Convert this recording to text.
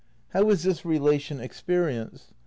How is this relation experienced'?